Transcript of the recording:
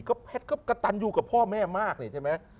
ก็กระตันอยู่กับพ่อแม่มากเนี่ยใช่มั้ย